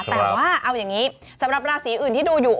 แต่ว่าเอาอย่างนี้สำหรับราศีอื่นที่ดูอยู่